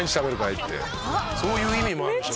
そういう意味もあるんじゃ。